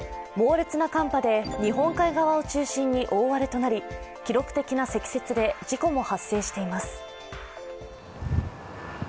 猛烈な寒波で日本海側を中心に大荒れとなり記録的な積雪で事故も発生しています。